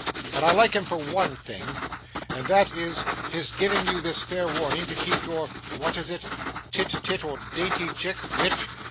'But I like him for one thing, and that is, his giving you this fair warning to keep your what is it? Tit tit or dainty chick which?